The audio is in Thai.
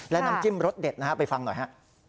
และน้ำจิ้มรสเด็ดนะฮะไปฟังหน่อยฮะ